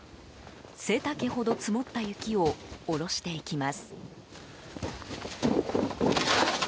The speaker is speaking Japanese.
背丈ほど積もった雪を下ろしていきます。